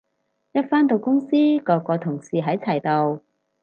一返到公司個個同事喺齊度